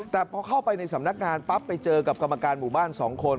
แต่พอเข้าไปในสำนักงานปั๊บไปเจอกับกรรมการหมู่บ้าน๒คน